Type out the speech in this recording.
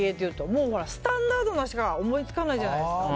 もうスタンダードなのしか思いつかいないじゃないですか。